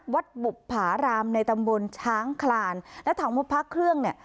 บุภารามในตำบลช้างคลานและถามว่าพระเครื่องเนี่ย